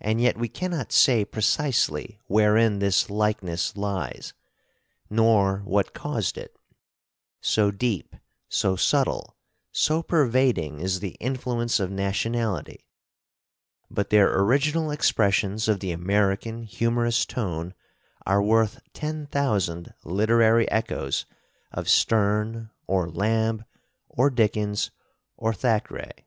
And yet we cannot say precisely wherein this likeness lies, nor what caused it; so deep, so subtle, so pervading is the influence of nationality. But their original expressions of the American humorous tone are worth ten thousand literary echoes of Sterne or Lamb or Dickens or Thackeray.